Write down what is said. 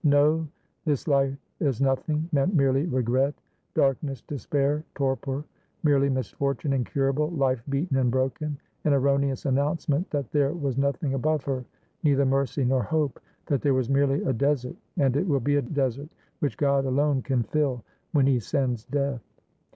No; "This life is nothing" meant merely regret, darkness, despair, torpor, merely misfortune incurable, life beaten and broken, — an erroneous announcement that there was nothing above her, neither mercy nor hope; that there was merely a desert, and it will be a desert which God alone can fill when He sends death.